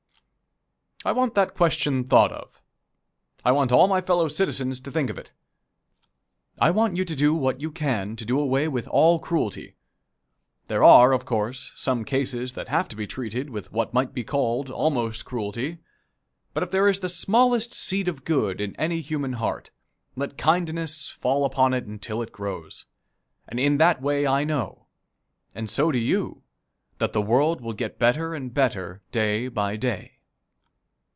I want that question thought of. I want all my fellow citizens to think of it. I want you to do what you can to do away with all cruelty. There are, of course, some cases that have to be treated with what might be called almost cruelty; but if there is the smallest seed of good in any human heart, let kindness fall upon it until it grows, and in that way I know, and so do you, that the world will get better and better day by day.